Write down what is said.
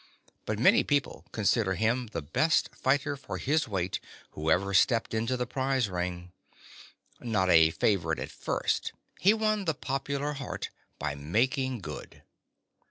But many people consider him the best fighter for his weight who ever stepped into the prize ring. Not a favorite at first, he won the popular heart by making good.